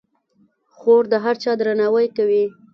خور د هر چا درناوی کوي.